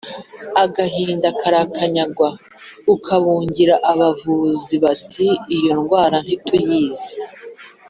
agahinda karakanyagwa, ukabungira abavuzi bati : “iyo ndwara ntituyizi”